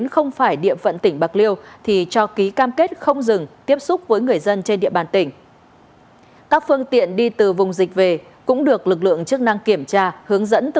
không có giấy xác nhận chuẩn kèm theo